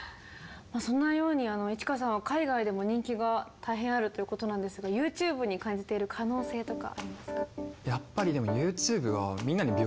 そんなようにｉｃｈｉｋａさんは海外でも人気が大変あるということなんですがＹｏｕＴｕｂｅに感じている可能性とかありますか？